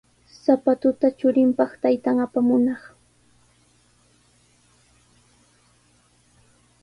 Sapatuta churinpaq taytan apamunaq.